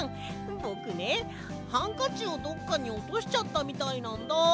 ぼくねハンカチをどっかにおとしちゃったみたいなんだ。